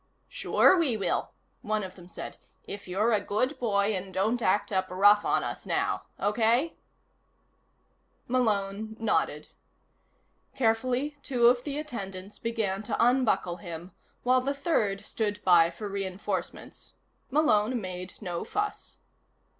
"Sure we will," one of them said, "if you're a good boy and don't act up rough on us now. Okay?" Malone nodded. Carefully, two of the attendants began to unbuckle him while the third stood by for reinforcements. Malone made no fuss.